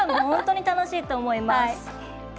本当に楽しいと思います。